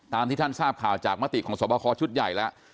ที่ท่านทราบข่าวจากมติของสวบคอชุดใหญ่แล้ว